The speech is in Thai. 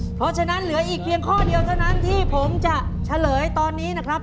เพราะฉะนั้นเหลืออีกเพียงข้อเดียวเท่านั้นที่ผมจะเฉลยตอนนี้นะครับ